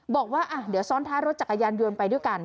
บอกว่าเดี๋ยวซ้อนท้ายรถจักรยานยนต์ไปด้วยกัน